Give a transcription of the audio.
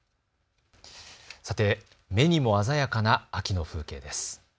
さて目にも鮮やかな秋の風景。